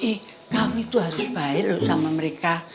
bi kami tuh harus baik loh sama mereka